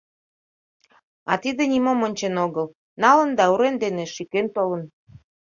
А тиде нимом ончен огыл, налын да урем дене шӱкен толын.